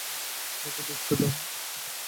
তাকে ঢুকতে দাও।